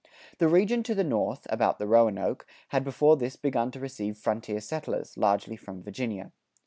The region to the north, about the Roanoke, had before this begun to receive frontier settlers, largely from Virginia.